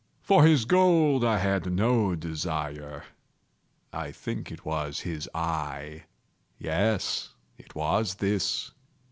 For his gold I had no desire. I think it was his eye! yes, it was this!